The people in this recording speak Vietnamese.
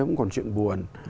cũng còn chuyện buồn